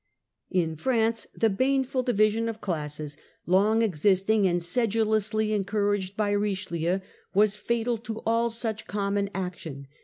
In France the baneful division of classes, long existing and sedulously encouraged by Richelieu, was fatal to all such common action.